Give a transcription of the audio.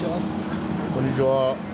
こんにちは。